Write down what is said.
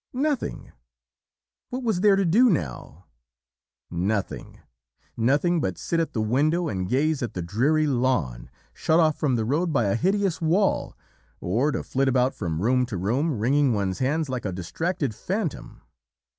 Nothing! What was there to do now? Nothing! Nothing but sit at the window and gaze at the dreary lawn, shut off from the road by a hideous wall, or to flit about from room to room wringing one's hands like a distracted phantom.